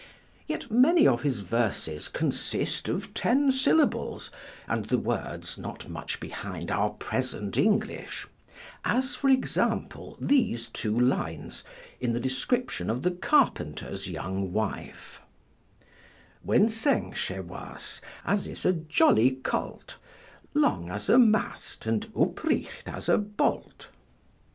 Yet many of his verses consist of ten syllables, and the words not much behind our present English: as for example, these two lines, in the description of the carpenter's young wife: Wincing she was, as is a jolly colt, Long as a mast, and upright as a bolt.